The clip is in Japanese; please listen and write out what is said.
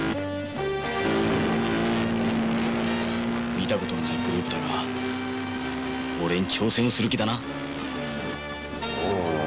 見たことのないグループだが俺に挑戦する気だな。